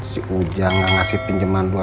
si uja nggak ngasih pinjeman dua juta